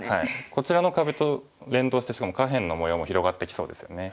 こちらの壁と連動してしかも下辺の模様も広がってきそうですよね。